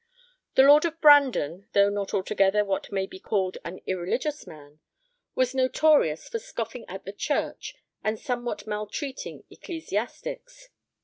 The lord of Brandon, though not altogether what may be called an irreligious man, was notorious for scoffing at the church and somewhat maltreating ecclesiastics.